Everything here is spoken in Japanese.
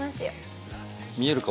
見えるか？